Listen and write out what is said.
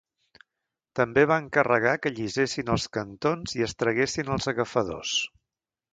També va encarregar que allisessin els cantons i es traguessin els agafadors.